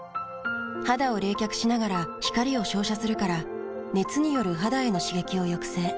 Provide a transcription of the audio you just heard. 肌を冷却しながら光を照射するから熱による肌への刺激を抑制。